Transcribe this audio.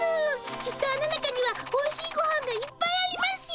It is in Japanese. きっとあの中にはおいしいごはんがいっぱいありますよ！